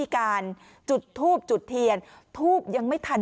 หญิงบอกว่าจะเป็นพี่ปวกหญิงบอกว่าจะเป็นพี่ปวก